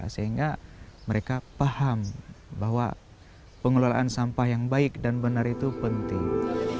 sehingga mereka paham bahwa pengelolaan sampah yang baik dan benar itu penting